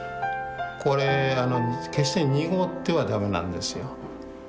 これ決して濁っては駄目なんですよ。